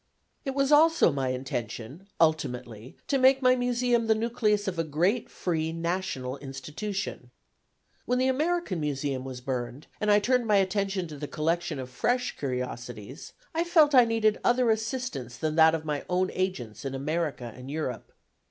It was also my intention ultimately to make my Museum the nucleus of a great free national institution. When the American Museum was burned, and I turned my attention to the collection of fresh curiosities, I felt that I needed other assistance than that of my own agents in America and Europe.